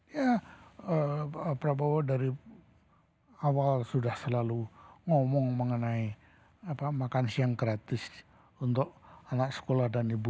ya pak prabowo dari awal sudah selalu ngomong mengenai makan siang gratis untuk anak sekolah dan ibu